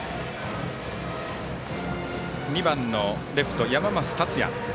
２番のレフト、山増達也。